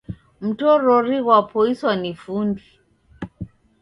Mtorori ghopoiswa ni fundi.